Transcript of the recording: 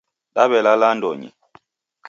Dawelala andonyi